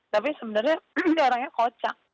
tapi sebenarnya ini orangnya kocak